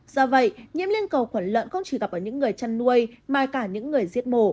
do vậy nhiễm lên cổ lợn không chỉ gặp ở những người chăn nuôi mà cả những người diết mổ